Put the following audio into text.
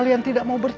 bukan sama sekali